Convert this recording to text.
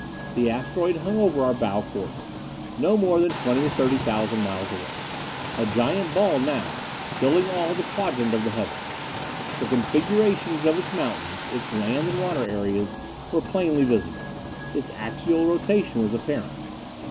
The asteroid hung over our bow quarter. No more than twenty or thirty thousand miles away. A giant ball now, filling all that quadrant of the heavens. The configurations of its mountains its land and water areas were plainly visible. Its axial rotation was apparent.